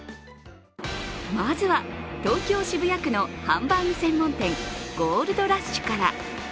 まずは東京・渋谷区のハンバーグ専門店、ゴールドラッシュから。